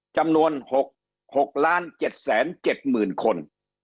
จำนวน๖ล้าน๗๗๐๐๐๐คน